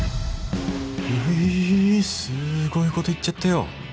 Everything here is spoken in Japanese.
うえすごい事言っちゃったよ